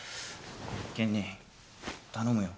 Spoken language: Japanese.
健兄頼むよ。